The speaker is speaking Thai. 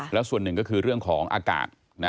แล้วส่วนหนึ่งก็คือเรื่องของอากาศ